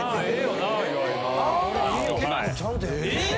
えっ？